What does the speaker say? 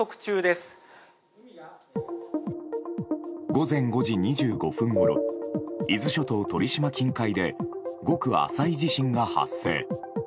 午前５時２５分ごろ伊豆諸島・鳥島近海でごく浅い地震が発生。